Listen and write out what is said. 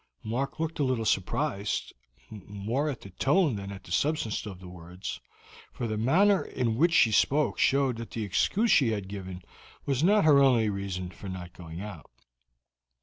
Mark looked a little surprised, more at the tone than at the substance of the words, for the manner in which she spoke showed that the excuse she had given was not her only reason for not going out.